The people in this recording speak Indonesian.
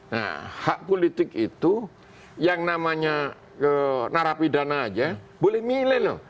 nah hak politik itu yang namanya narapi dana saja boleh milih loh